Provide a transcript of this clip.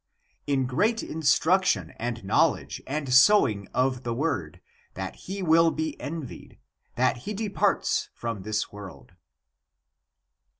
in great instruction and knowledge and sowing of the word, that he will be envied, that he departs from this world."